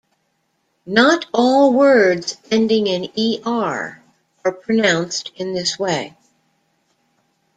Not all words ending in "er" are pronounced in this way.